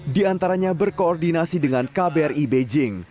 di antaranya berkoordinasi dengan kbri beijing